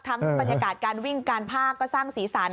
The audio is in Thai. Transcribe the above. ทั้งประธิกาศการวิ่งกันภาคก็สร้างศีรษรรณ